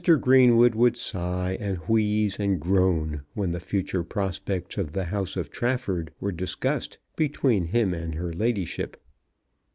Greenwood would sigh and wheeze and groan when the future prospects of the House of Trafford were discussed between him and her ladyship.